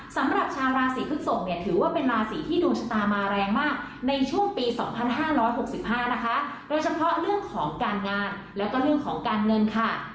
สำหรับชาวราศีพฤกษกเนี่ยถือว่าเป็นราศีที่ดวงชะตามาแรงมากในช่วงปี๒๕๖๕นะคะโดยเฉพาะเรื่องของการงานแล้วก็เรื่องของการเงินค่ะ